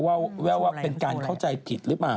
แววว่าเป็นการเข้าใจผิดหรือเปล่า